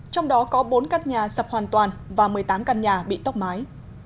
trong đó có bốn căn nhà sập hoàn toàn và một mươi tám căn nhà bị tốc mái